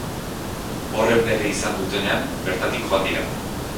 Horren berri izan dutenean, bertatik joan dira.